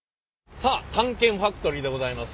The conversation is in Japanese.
さあ「探検ファクトリー」でございます。